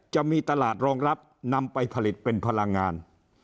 จะมีตลาดรองรับนำไปผลิตเป็นพลังงาน